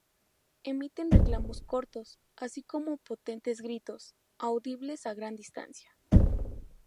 Emiten reclamos cortos, así como potentes gritos, audibles a gran distancia.